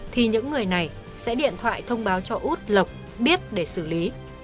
thì những người này sẽ điện thoại thông báo cho út lộc biết để xử lý